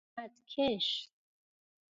مدکش